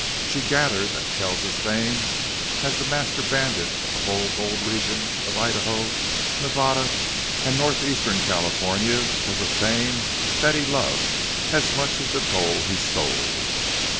She gathered that Kells's fame as the master bandit of the whole gold region of Idaho, Nevada, and northeastern California was a fame that he loved as much as the gold he stole.